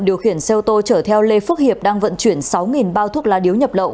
điều khiển xe ô tô chở theo lê phước hiệp đang vận chuyển sáu bao thuốc lá điếu nhập lậu